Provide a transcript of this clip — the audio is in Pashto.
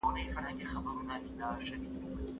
ګلالۍ خپل لوښي بېرته کور ته یووړل.